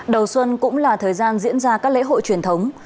đầu xuân cũng là thời gian diễn ra các lễ hội truyền thống